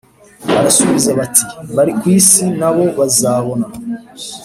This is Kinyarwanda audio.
Barasubiza bati bari ku isi nabo bazabona